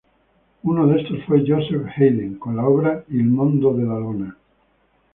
Uno de estos fue Joseph Haydn con la obra "Il mondo della luna".